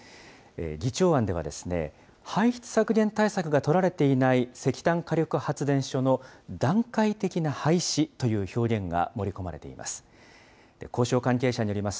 議長案ではですね、排出削減対策が取られていない石炭火力発電所の段階的な廃止という表現が盛り込まれています。